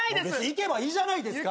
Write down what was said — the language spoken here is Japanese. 行けばいいじゃないですか。